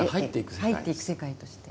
入っていく世界として。